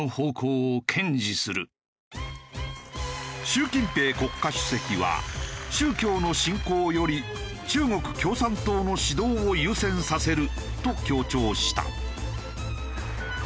習近平国家主席は宗教の信仰より中国共産党の指導を優先させると強調した。